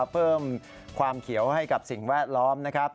เพิ่มความเขียวให้กับสิ่งแวดล้อมนะครับ